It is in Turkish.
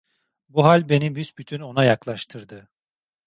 Bu hal beni büsbütün ona yaklaştırdı.